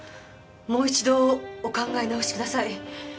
もう一度お考え直しください！